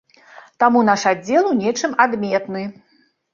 Таму наш аддзел у нечым адметны.